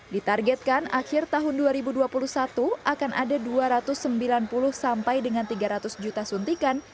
ditargetkan akhir tahun dua ribu dua puluh satu akan ada dua ratus sembilan puluh sampai dengan tiga ratus juta suntikan